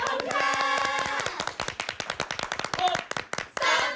ขอบคุณค่ะ